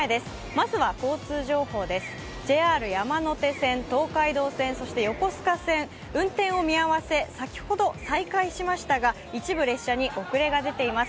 まずは交通情報です、ＪＲ山手線、東海道線そして横須賀線、運転を見合わせ先ほど再開しましたが一部列車に遅れが出ています。